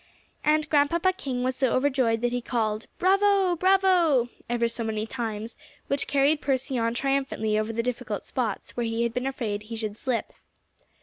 And Grandpapa King was so overjoyed that he called "Bravo bravo!" ever so many times, which carried Percy on triumphantly over the difficult spots where he had been afraid he should slip.